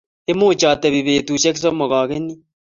Much atebi betushiek somok agenyi